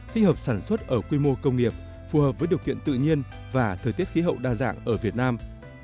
thích hợp sản xuất ở quy mô công nghiệp phù hợp với điều kiện tự nhiên và thời tiết khí hậu đa dạng ở việt nam